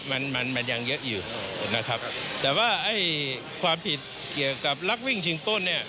มันมันมันยังเยอะอยู่นะครับแต่ว่าไอ้ความผิดเกี่ยวกับรักวิ่งชิงป้นเนี่ย